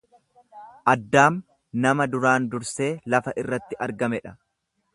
Addaam nama duraan dursee lafa irratti argame dha.